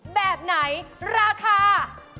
แบบไหนราคา